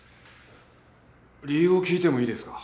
理由を聞いてもいいですか？